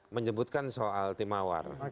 menyebutkan soal tim mawar